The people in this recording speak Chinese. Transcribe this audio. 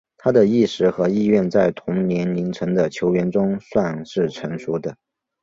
他的意识和意愿在同年龄层的球员中算是成熟的。